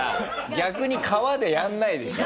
逆に川でやらないでしょ。